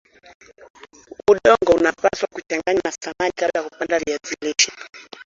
udongo unapaswa kuchanganywa na samadi kabla kupanda viazi lishe